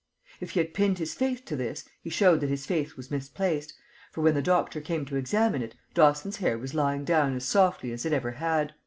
If he had pinned his faith to this, he showed that his faith was misplaced, for when the doctor came to examine it, Dawson's hair was lying down as softly as it ever had.